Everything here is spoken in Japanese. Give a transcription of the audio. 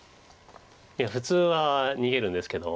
いや普通は逃げるんですけど。